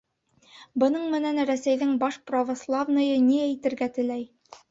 Бының менән Рәсәйҙең баш православныйы ни әйтергә теләй?